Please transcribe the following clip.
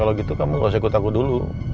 kalau gitu kamu harus ikut aku dulu